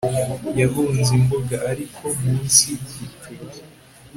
yahunze imbuga, ariko munsi yigituba